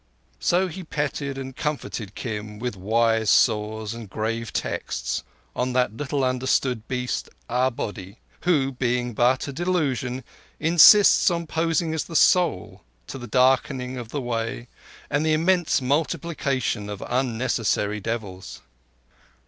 And so he petted and comforted Kim with wise saws and grave texts on that little understood beast, our Body, who, being but a delusion, insists on posing as the Soul, to the darkening of the Way, and the immense multiplication of unnecessary devils.